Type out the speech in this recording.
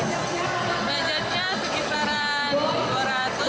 bajetnya sekitaran dua ratus ribu